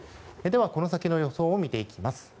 では、この先の予想を見ていきます。